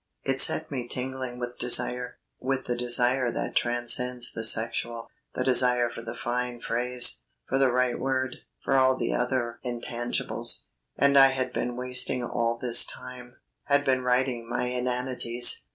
It set me tingling with desire, with the desire that transcends the sexual; the desire for the fine phrase, for the right word for all the other intangibles. And I had been wasting all this time; had been writing my inanities.